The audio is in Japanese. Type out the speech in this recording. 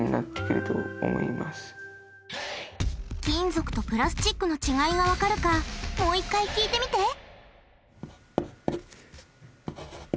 金属とプラスチックの違いが分かるかもう一回聞いてみて。